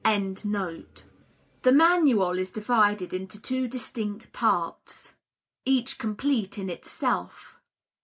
] The Manual is divided into two distinct parts, each complete in itself.